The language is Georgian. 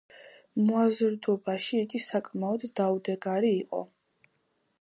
მოაზრდობაში იგი საკმაოდ დაუდეგარი იყო.